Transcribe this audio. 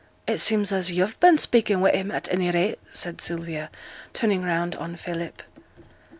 'It seems as yo've been speaking wi' him, at any rate,' said Sylvia, turning round on Philip.